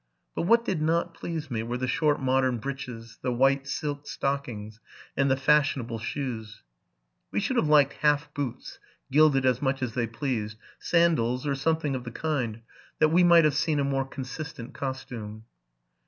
But what did not please me were the short modern breeches, the white silk stockings, and the fashionable shoes. We should have liked half boots, — gilded as much as they pleased, — sandals, or something 156 TRUTH AND FICTION of the kind, that we might have seen a more consistent costume.